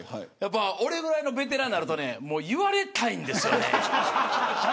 俺ぐらいのベテランになると言われたいんですよね。